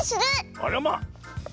あらま。